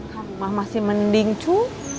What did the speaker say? kamah masih mending cu